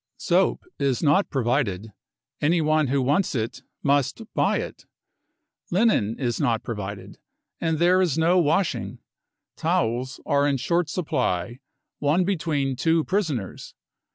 Soap is not provided ; anyone who wants it ' must buy it. Linen is not provided, and there is no washing. Towels are in short supply : one between two prisoners.